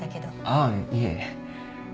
ああいえ。